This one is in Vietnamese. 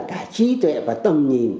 cả trí tuệ và tầm nhìn